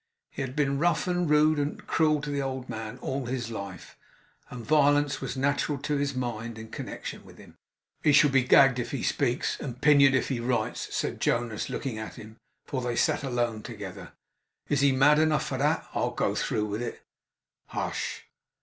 He had been rough and rude and cruel to the old man all his life; and violence was natural to his mind in connection with him. 'He shall be gagged if he speaks, and pinioned if he writes,' said Jonas, looking at him; for they sat alone together. 'He is mad enough for that; I'll go through with it!' Hush!